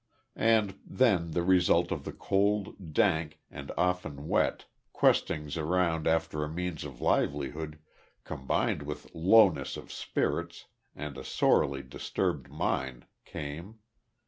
And then the result of the cold, dank, and often wet, questings around after a means of livelihood, combined with lowness of spirits, and a sorely disturbed mind, came.